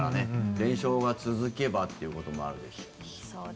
連勝が続けばということもあるでしょうし。